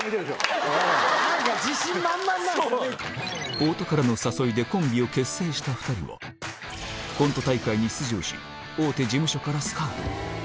太田からの誘いでコンビを結成した２人は、コント大会に出場し、大手事務所からスカウト。